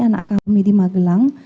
anak kami di magelang